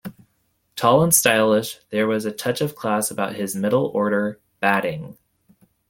Tall and stylish, there was a touch of class about his middle-order batting.